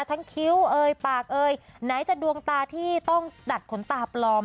คิ้วเอยปากเอยไหนจะดวงตาที่ต้องดัดขนตาปลอม